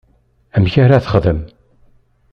Amek ara texdem?